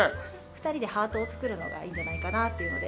２人でハートを作るのがいいんじゃないかなっていうので。